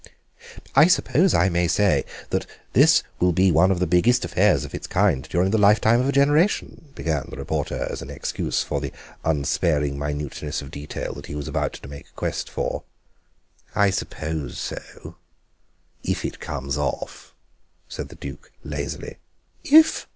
"I suppose I may say this will be one of the biggest affairs of its kind during the lifetime of a generation," began the reporter as an excuse for the unsparing minuteness of detail that he was about to make quest for. "I suppose so—if it comes off," said the Duke lazily. "If?"